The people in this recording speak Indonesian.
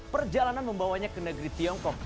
perjalanan membawanya ke negeri tiongkok